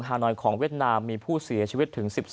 นอยของเวียดนามมีผู้เสียชีวิตถึง๑๒